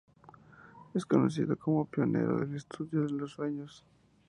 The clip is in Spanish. Es conocido como pionero del estudio de los sueños.